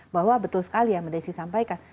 bahwa betul sekali yang md desy sampaikan